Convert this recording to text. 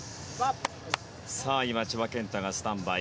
千葉健太がスタンバイ。